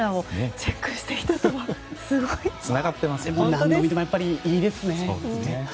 何度見てもいいですね。